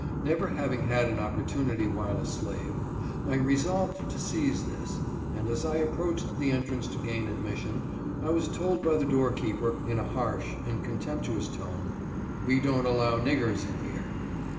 Never having had an opportunity while a slave, I resolved to seize this, and as I approached the entrance to gain admission, I was told by the door keeper, in a harsh and contemptu ous tone, " We don't allow niggers in here.''''